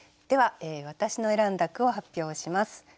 では私の選んだ句を発表します。